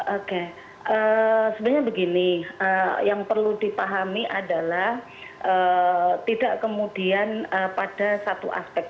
oke sebenarnya begini yang perlu dipahami adalah tidak kemudian pada satu aspek